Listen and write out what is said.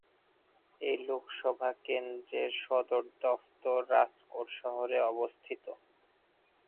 এই লোকসভা কেন্দ্রের সদর দফতর রাজকোট শহরে অবস্থিত।